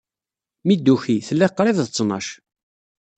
Mi d-tuki, tella qrib d ttnac.